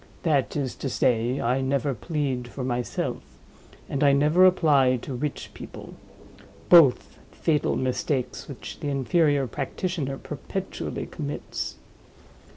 That is to say, I never plead for myself; and I never apply to rich people—both fatal mistakes which the inferior practitioner perpetually commits.